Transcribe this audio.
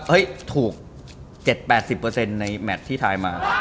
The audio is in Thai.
เฮ้ยถูก๗๘๐ในแมทที่ถ่ายมา